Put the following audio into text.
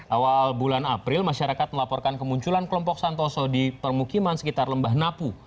awal bulan april masyarakat melaporkan kemunculan kelompok santoso di permukiman sekitar lembah napu